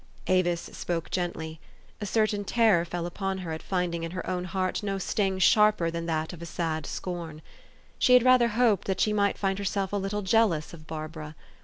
" Avis spoke gently. A certain terror fell upon her at finding in her own heart no sting sharper than that of a sad scorn. She had rather hoped that she might find herself a little jealous of Barbara.